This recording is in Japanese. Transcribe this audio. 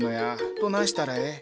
どないしたらええ？